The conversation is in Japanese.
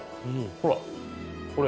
ほらこれ。